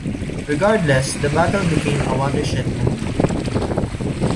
Regardless the battle became a watershed moment.